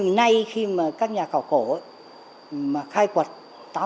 thế nhưng nay khi mà các nhà khảo cổ mà khai quật